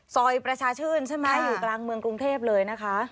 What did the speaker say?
ซอยประชาชื่นใช่ไหมอยู่กลางเมืองกรุงเทพเลยนะคะ